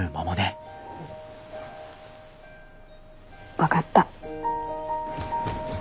分かった。